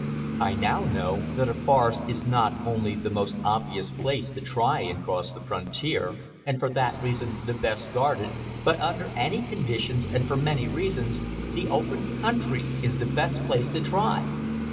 I know now that a forest is not only the most obvious place to try and cross the frontier, and for that reason the best guarded, but under any conditions, and for many reasons, the open country is the best place to try.